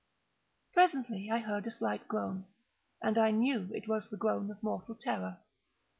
Presently I heard a slight groan, and I knew it was the groan of mortal terror.